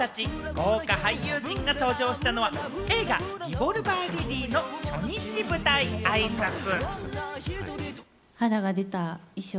豪華俳優陣が登場したのは映画『リボルバー・リリー』の初日舞台あいさつ。